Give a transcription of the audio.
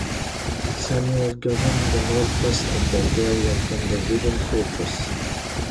Samuel governed the north-west of Bulgaria from the Vidin fortress.